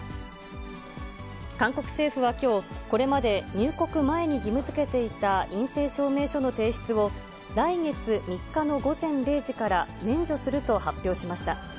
韓国政府はきょう、これまで入国前に義務づけていた陰性証明書の提出を、来月３日の午前０時から免除すると発表しました。